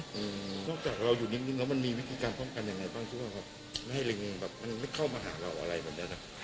นอกจากเราอยู่นิดนึงแล้วมันมีวิธีการป้องกันยังไงบ้างใช่ป่ะครับไม่ให้ลิงแบบมันไม่เข้ามาหาเราอะไรแบบเนี้ยครับ